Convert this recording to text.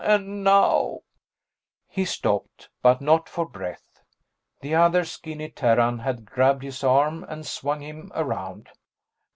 And now " He stopped, but not for breath. The other skinny Terran had grabbed his arm and swung him around.